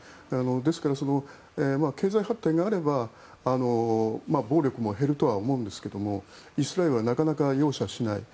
ですから経済発展があれば暴力も減るとは思うんですけどもイスラエルはなかなか容赦しない。